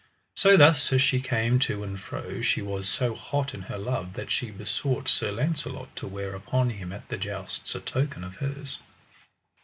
So thus as she came to and fro she was so hot in her love that she besought Sir Launcelot to wear upon him at the jousts a token of hers.